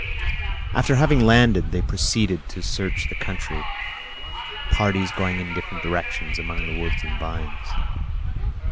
After having landed, they proceeded to search the country, parties going in different directions among the woods and vines.